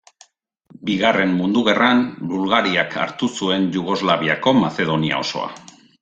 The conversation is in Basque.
Bigarren Mundu Gerran, Bulgariak hartu zuen Jugoslaviako Mazedonia osoa.